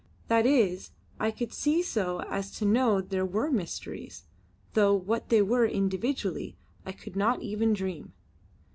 That is, I could see so as to know there were mysteries, though what they were individually I could not even dream.